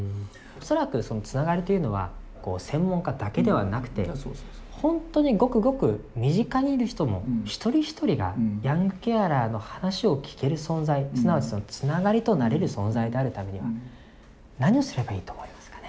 恐らくそのつながりというのは専門家だけではなくて本当にごくごく身近にいる人の一人一人がヤングケアラーの話を聞ける存在すなわちそのつながりとなれる存在であるためには何をすればいいと思いますかね？